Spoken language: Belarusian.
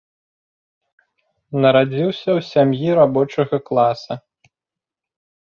Нарадзіўся ў сям'і рабочага класа.